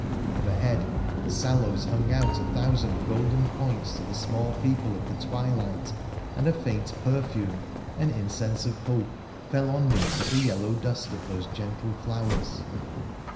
Overhead, the sallows hang out a thousand s2 260 WONDERFUL ADVENTURES OF golden points to the small people of tlie twilight, and a faint perfume — an incense of hope — fell on me with the yellow dust of those gentle flowers.